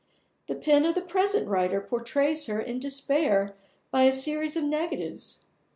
The pen of the present writer portrays her in despair by a series of negatives.